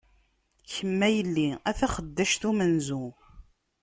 Kem a yell-i, a taxeddact umenzu!